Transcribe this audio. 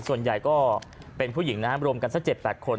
ส่วนใหญ่ก็เป็นผู้หญิงนะครับรวมกันสัก๗๘คน